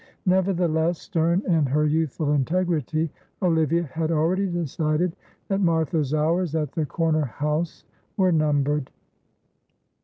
Nevertheless, stern in her youthful integrity, Olivia had already decided that Martha's hours at the corner house were numbered.